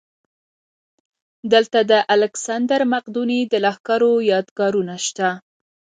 دلته د الکسندر مقدوني د لښکرو یادګارونه شته